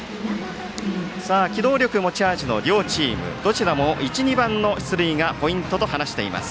機動力持ち味の両チームどちらも１、２番の出塁がポイントと話しています。